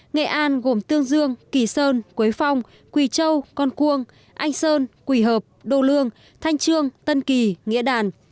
nghệ an gồm tương dương kỳ sơn quế phong quỳ châu con cuông anh sơn quỳ hợp đô lương thanh trương tân kỳ nghĩa đàn